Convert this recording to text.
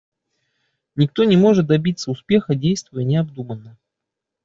Никто не может добиться успеха, действуя необдуманно.